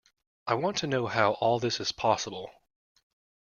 I want to know how all this is possible.